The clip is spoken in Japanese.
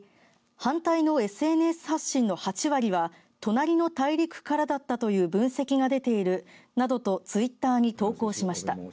反対のＳＮＳ発信の８割は隣の大陸からだったという分析が出ているなどとツイッターに投稿しました。